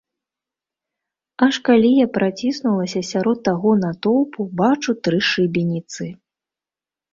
Аж, калі я праціснулася сярод таго натоўпу, бачу тры шыбеніцы.